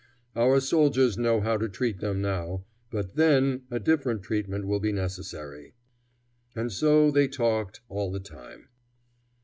Our soldiers know how to treat them now, but then a different treatment will be necessary." And so they talked all the time.